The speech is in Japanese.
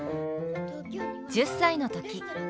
１０歳の時。